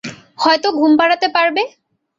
হয়তো ঘুম পাড়াতে পারবে?